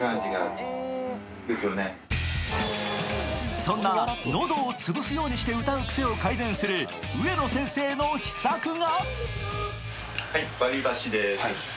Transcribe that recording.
そんな喉を潰すようにして歌う癖を改善する上野先生の秘策が。